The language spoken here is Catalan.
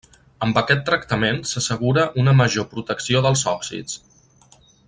Amb aquest tractament s'assegura una major protecció dels òxids.